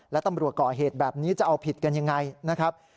และตำรวจก่อเหตุแบบนี้จะเอาผิดกันยังไงนะครับ